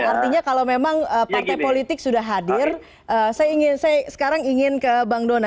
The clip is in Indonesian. artinya kalau memang partai politik sudah hadir saya sekarang ingin ke bang dona